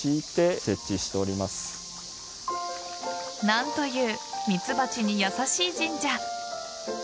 何というミツバチに優しい神社。